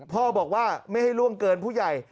พ่อบอกว่าไม่ให้ล่วงเกินผู้ใหญ่